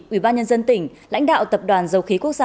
ủy ban nhân dân tỉnh lãnh đạo tập đoàn dầu khí quốc gia